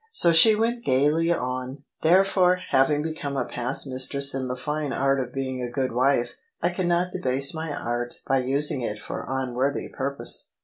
So she went gaily on :" Therefore, having become a past mistress in the fine art of being a good wife, I cannot debase my art by using it for unworthy purpose.